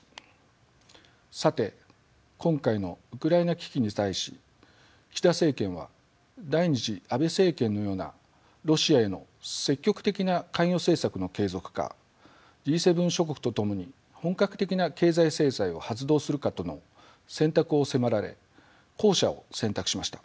さて今回のウクライナ危機に際し岸田政権は第２次安倍政権のようなロシアへの積極的な関与政策の継続かＧ７諸国と共に本格的な経済制裁を発動するかとの選択を迫られ後者を選択しました。